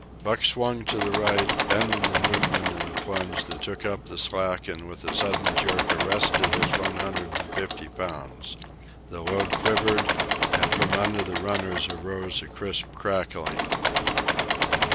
Buck swung to the right, ending the movement in a plunge that took up the slack and with a sudden jerk arrested his one hundred and fifty pounds. The load quivered, and from under the runners arose a crisp crackling.